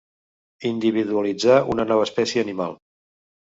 Individualitzar una nova espècie animal.